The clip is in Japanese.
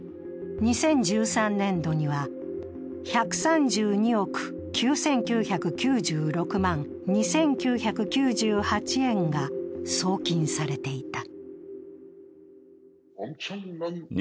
２０１３年度には、１３２億９９９６万２９９８円が送金されていた。